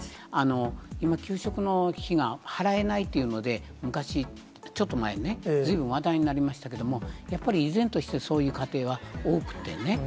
今、給食費が払えないというので、昔、ちょっと前ね、ずいぶん話題になりましたけれども、やっぱり依然としてそういう家庭は多くてね。